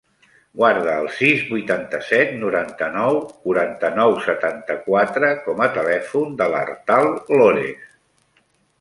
Guarda el sis, vuitanta-set, noranta-nou, quaranta-nou, setanta-quatre com a telèfon de l'Artal Lores.